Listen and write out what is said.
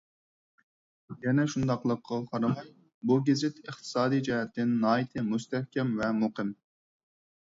يەنە شۇنداقلىقىغا قارىماي، بۇ گېزىت ئىقتىسادىي جەھەتتىن ناھايىتى مۇستەھكەم ۋە مۇقىم.